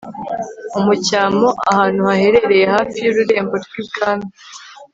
umucyamo ahantu haherereye hafi y'ururembo rwi bwami